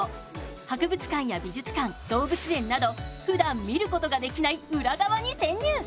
博物館や美術館、動物園などふだん見ることができない裏側に潜入。